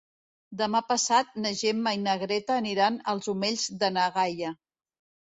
Demà passat na Gemma i na Greta aniran als Omells de na Gaia.